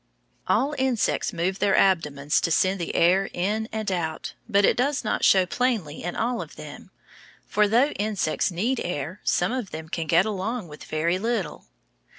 All insects move their abdomens to send the air in and out, but it does not show plainly in all of them, for, though insects need air, some of them can get along with very little.